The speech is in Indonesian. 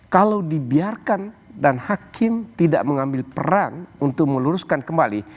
kalau dibiarkan dan hakim tidak mengambil peran untuk meluruskan kembali